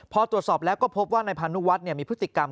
พอตรวจสอบแล้วก็พบว่านายพานุวัฒน์มีพฤติกรรม